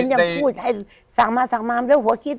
ยังพูดให้สั่งมาสั่งมาแล้วหัวคิด